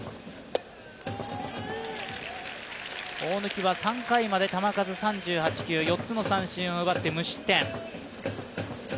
大貫は３回まで球数３８球、４つの三振を奪って無失点。